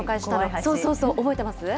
そうそうそう、覚えてます？